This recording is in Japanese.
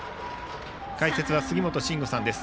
解説は杉本真吾さんです。